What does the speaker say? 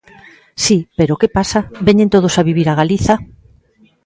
Si, pero ¿que pasa?, ¿veñen todos a vivir a Galiza?